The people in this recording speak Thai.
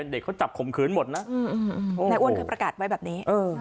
บุคคลอันตรายเขาประกาศไว้